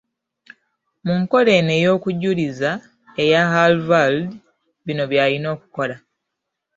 Mu nkola eno ey’okujuliza, eya Halvald, bino by’olina okukola.